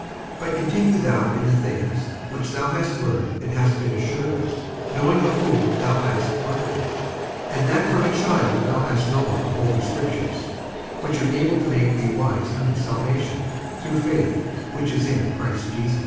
55:003:014 But continue thou in the things which thou hast learned and hast been assured of, knowing of whom thou hast learned them; 55:003:015 And that from a child thou hast known the holy scriptures, which are able to make thee wise unto salvation through faith which is in Christ Jesus.